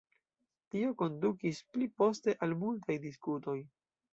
Tio kondukis pli poste al multaj diskutoj.